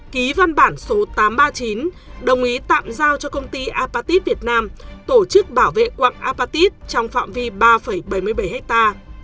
ký văn bản số tám trăm ba mươi chín đồng ý tạm giao cho công ty apatit việt nam tổ chức bảo vệ quạng apatit trong phạm vi ba bảy mươi bảy hectare